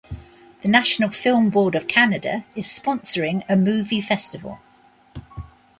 The National Film Board of Canada is sponsoring a movie festival.